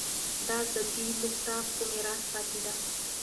دا ازادي موږ ته په میراث پاتې ده.